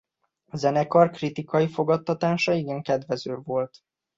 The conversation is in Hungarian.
A zenekar kritikai fogadtatása igen kedvező volt.